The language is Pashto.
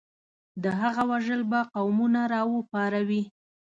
د هغه وژل به قومونه راوپاروي.